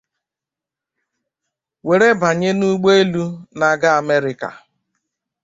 were banye n’ụgbọelu na-aga Amerika